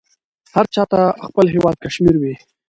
هر چاته خپل هیواد کشمیر وې.